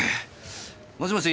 もしもし？